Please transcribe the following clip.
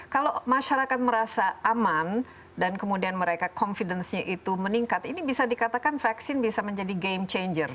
kalau masyarakat merasa aman dan kemudian mereka confidence nya itu meningkat ini bisa dikatakan vaksin bisa menjadi game changer